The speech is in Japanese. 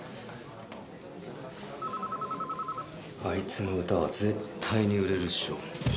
あいつの歌は絶対に売れるっしょ。